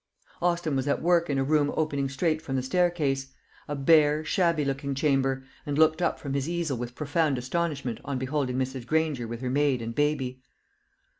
Austin was at work in a room opening straight from the staircase a bare, shabby looking chamber and looked up from his easel with profound astonishment on beholding Mrs. Granger with her maid and baby.